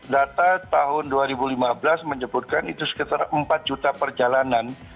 data tahun dua ribu lima belas menyebutkan itu sekitar empat juta perjalanan